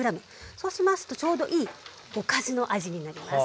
そうしますとちょうどいいおかずの味になります。